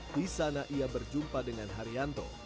di sana ia berjumpa dengan haryanto